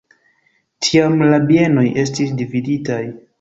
Tiam la bienoj estis dividitaj.